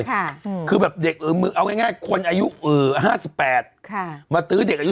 ค่ะคือแบบเด็กเอาง่ายง่ายคนอายุเออห้าสิบแปดค่ะมาตื้อเด็กอายุ